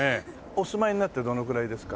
お住まいになってどのくらいですか？